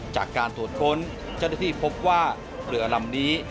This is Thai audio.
จากการสวดก้นจะได้ที่พบว่าเหลือลำนี้